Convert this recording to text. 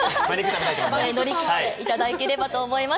乗り切っていただければと思います。